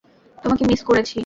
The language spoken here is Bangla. তোমাকে মিস করেছি।